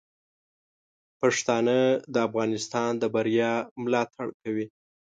پښتانه د افغانستان د بریا ملاتړ کوي.